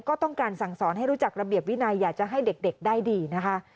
ก็ต้องการสั่งสอนให้รู้จักระเบียบวินัยอยากจะให้เด็กได้ดีนะคะ